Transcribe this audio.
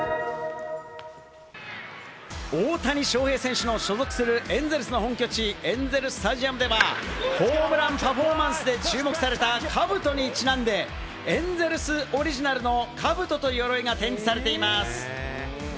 大谷翔平選手の所属するエンゼルスの本拠地エンゼル・スタジアムではホームランパフォーマンスで注目された兜にちなんで、エンゼルスオリジナルの兜と鎧が展示されています。